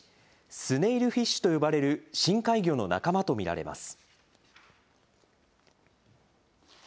スネイルフィッシュと呼ばれる深海魚の仲間と見られます。